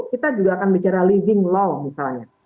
kita juga akan bicara living law misalnya